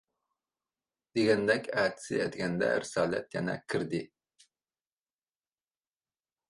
دېگەندەك ئەتىسى ئەتىگەندە رىسالەت يەنە كىردى.